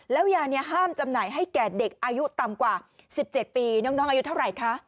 แล้วยานี้ห้ามจำหน่ายให้แก่เด็กอายุต่ำกว่า๑๗ปีน้องอายุเท่าไหร่คะ